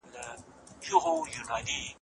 په روغتونونو کې د درملو کمښت لویه اندېښنه ده.